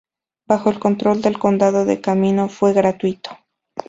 Bajo el control del condado el camino fue gratuito.